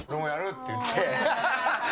って言って。